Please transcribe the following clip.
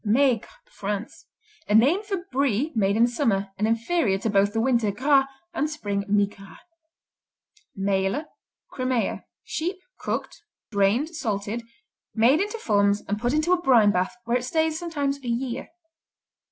Maigre France A name for Brie made in summer and inferior to both the winter Gras and spring Migras. Maile Crimea Sheep; cooked; drained; salted; made into forms and put into a brine bath where it stays sometimes a year.